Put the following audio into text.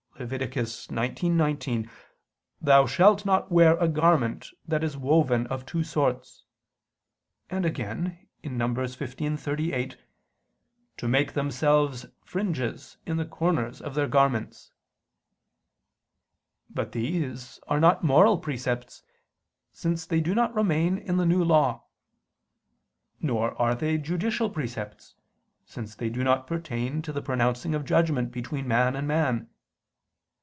(Lev. 19:19): "Thou shalt not wear a garment that is woven of two sorts"; and again (Num. 15:38): "To make to themselves fringes in the corners of their garments." But these are not moral precepts; since they do not remain in the New Law. Nor are they judicial precepts; since they do not pertain to the pronouncing of judgment between man and man.